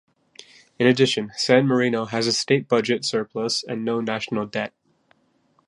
In addition, San Marino has a state budget surplus and no national debt.